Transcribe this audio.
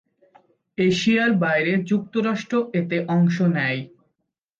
এশিয়ার বাইরে যুক্তরাষ্ট্র এতে অংশ নেয়।